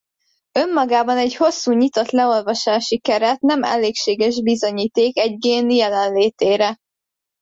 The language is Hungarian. Önmagában egy hosszú nyitott leolvasási keret nem elégséges bizonyíték egy gén jelenlétére.